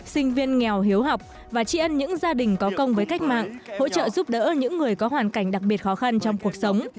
sinh viên nghèo hiếu học và tri ân những gia đình có công với cách mạng hỗ trợ giúp đỡ những người có hoàn cảnh đặc biệt khó khăn trong cuộc sống